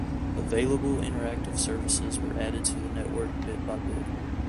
Available interactive services were added to the network bit by bit.